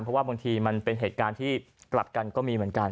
เพราะว่าบางทีมันเป็นเหตุการณ์ที่กลับกันก็มีเหมือนกัน